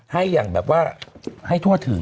ให้อย่างแบบว่าให้ทั่วถึง